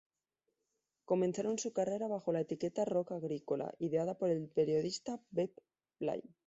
Comenzaron su carrera bajo la etiqueta "rock agrícola", ideada por el periodista Pep Blay.